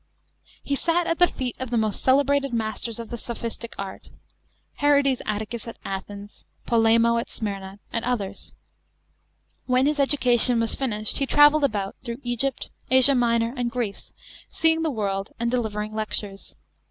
He sat at the feet of the most celebrated masters of the soptiistic art, Herodes Atticus at Athens, Polemo at Smyrna, and others. When his education was finished, he travell d about, through Egypt, Asia Minor, and Greece, seeing the world and delivering lectures.